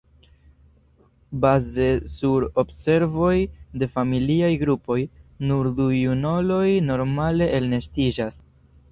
Baze sur observoj de familiaj grupoj, nur du junuloj normale elnestiĝas.